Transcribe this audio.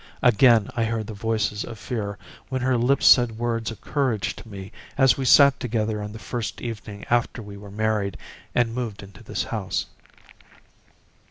Again I heard the voices of fear when her lips said words of courage to me as we sat together on the first evening after we were married and moved into this house.